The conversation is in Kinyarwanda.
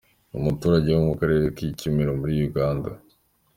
Ni umuturage wo mu mu karere Kikumiro muri Uganda.